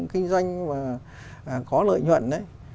kinh doanh và có lợi nhuận